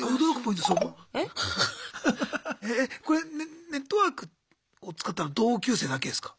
これネットワークを使ったのは同級生だけですか？